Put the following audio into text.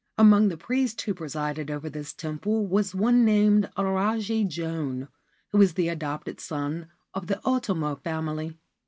Among the priests who presided over this temple was one named Ajari Joan, who was the adopted son of the Otomo family.